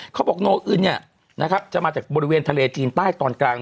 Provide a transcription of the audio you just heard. โนอึนจะมาจากบริเวณทะเลจีนใต้ตอนกลาง